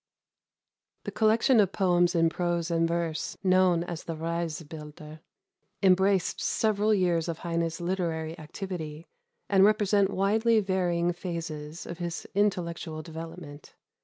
The collection of poems in prose and verse known as the Reisebilder, embraced several years of Heine's literary activity, and represent widely varying phases of his intellectual development.